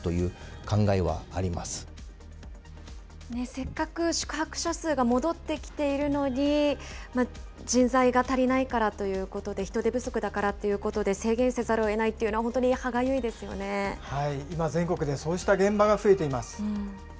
せっかく宿泊者数が戻ってきているのに、人材が足りないからということで、人手不足だからということで、制限せざるをえないというのは、本今、全国でそうした現場が増えています。